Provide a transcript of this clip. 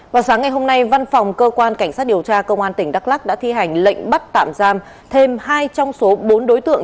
vào sáng ngày hôm nay văn phòng cơ quan cảnh sát điều tra công an tỉnh đắk lắc đã thi hành lệnh bắt tạm giam thêm hai trong số bốn đối tượng